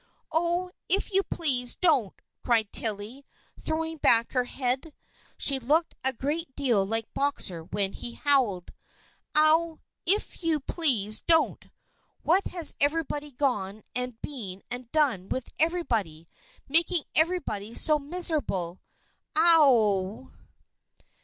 "Ow, if you please, don't!" cried Tilly, throwing back her head. She looked a great deal like Boxer when he howled. "Ow, if you please, don't! What has everybody gone and been and done with everybody, making everybody so miserable? Ow w w!"